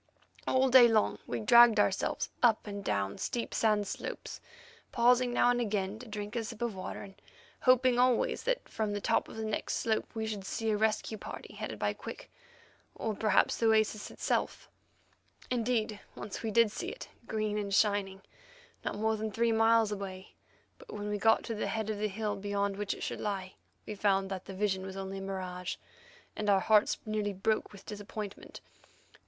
All day long we dragged ourselves up and down steep sand slopes, pausing now again to drink a sip of water, and hoping always that from the top of the next slope we should see a rescue party headed by Quick, or perhaps the oasis itself. Indeed, once we did see it, green and shining, not more than three miles away, but when we got to the head of the hill beyond which it should lie we found that the vision was only a mirage, and our hearts nearly broke with disappointment.